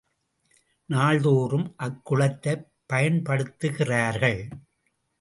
நாள்தோறும் அக்குளத்தைப் பயன்படுத்துகிறார்கள்.